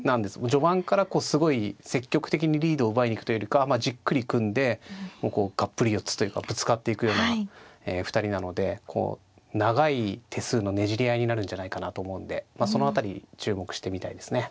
序盤からこうすごい積極的にリードを奪いに行くというよりかまあじっくり組んでこうがっぷり四つというかぶつかっていくような２人なので長い手数のねじり合いになるんじゃないかなと思うんでその辺り注目して見たいですね。